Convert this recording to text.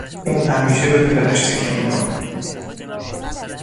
او همیشه به پدرش تکیه میکند.